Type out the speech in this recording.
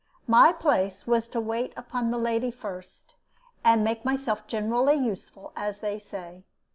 My place was to wait upon the lady first, and make myself generally useful, as they say.